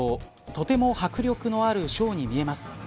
とても迫力のあるショーに見えます。